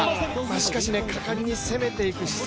しかし、果敢に攻めていく姿勢。